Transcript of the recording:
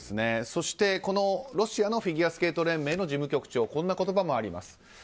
そしてロシアのフィギュアスケート連盟の事務局長はこんな言葉もあります。